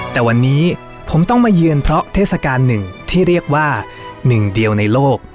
แต่วันนี้ผมต้องมาเยือนเพราะเทศกาลหนึ่งที่เรียกว่าหนึ่งเดียวในโลก